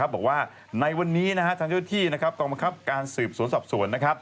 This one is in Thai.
บอกว่าในวันนี้ทางเจ้าที่กองบังคับการสืบสวนสอบสวน